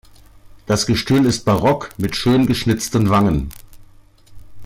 Das Gestühl ist barock mit schön geschnitzten Wangen.